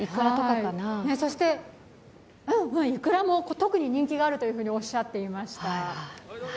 イクラも特に人気があるとおっしゃっていました。